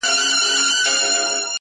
دې وې درد څۀ وي خفګان څۀ ته وایي,